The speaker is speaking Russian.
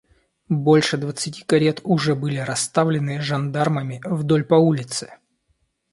Больше двадцати карет уже были расставлены жандармами вдоль по улице.